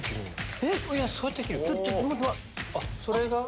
えっ⁉それが？